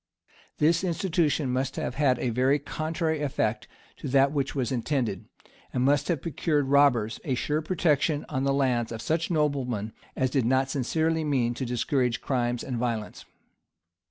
[*] This institution must have had a very contrary effect to that which was intended, and must have procured robbers a sure protection on the lands of such noblemen as did not sincerely mean to discourage crimes and violence.